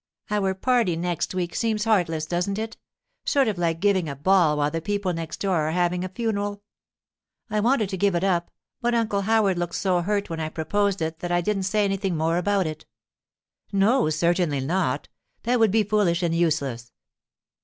'Our party, next week, seems heartless, doesn't it—sort of like giving a ball while the people next door are having a funeral? I wanted to give it up, but Uncle Howard looked so hurt when I proposed it that I didn't say anything more about it.' 'No, certainly not. That would be foolish and useless.